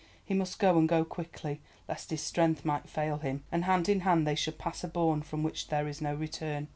He must go, and go quickly, lest his strength might fail him, and hand in hand they should pass a bourne from which there is no return.